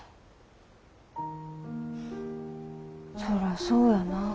そらそうやな。